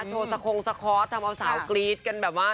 โชว์สคงสคอร์สทำเอาสาวกรี๊ดกันแบบว่า